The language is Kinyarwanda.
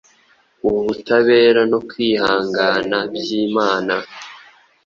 ubutabera no kwihangana by’Imana.